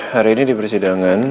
hari ini di persidangan